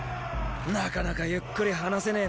なかなかゆっくり話せねェな。